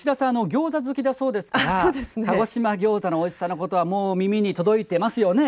ギョーザ好きだそうですが鹿児島ギョーザのおいしさのことは、もう耳に届いていますよね。